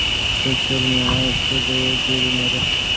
کسر معاش څه ډول جریمه ده؟